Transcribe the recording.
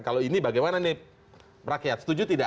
kalau ini bagaimana nih rakyat setuju tidak